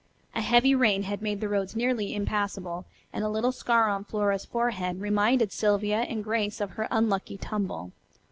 A heavy rain had made the roads nearly impassable, and a little scar on Flora's forehead reminded Sylvia and Grace of her unlucky tumble.